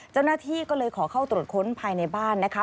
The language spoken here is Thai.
เจ้าหน้าที่ก็เลยขอเข้าตรวจค้นภายในบ้านนะคะ